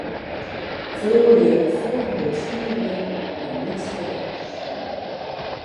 Feroarje folgjende tsien wurden yn lytse letters.